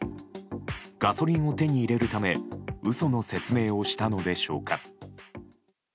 ガソリンを手に入れるため嘘の説明をしたのでしょうか。